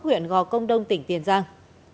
huyện gò công đông tỉnh tiền giang